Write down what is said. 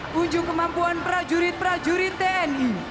kunjung kemampuan prajurit prajurit tni